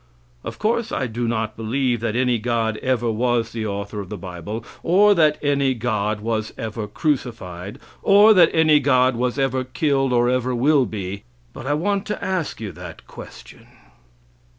Of course I do not believe that any God ever was the author of the bible, or that any God was ever crucified, or that any God was ever killed or ever will be, but I want to ask you that question.